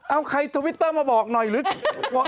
เอาใครทวิตเตอร์มาบอกหน่อยหรือ